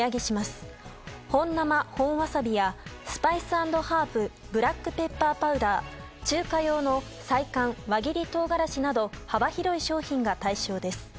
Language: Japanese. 本生本わさびやＳ＆Ｂブラックペッパーパウダー中華用の菜館輪切り唐辛子など幅広い商品が対象です。